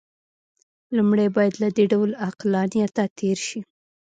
لومړی باید له دې ډول عقلانیته تېر شي.